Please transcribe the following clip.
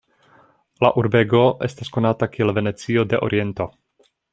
La urbego estas konata kiel Venecio de Oriento.